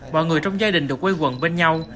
mọi người trong gia đình được quây quần bên nhau